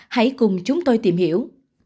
hãy cùng chúng tôi tìm hiểu